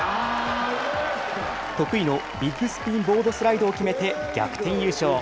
得意のビッグスピンボードスライドを決めて逆転優勝。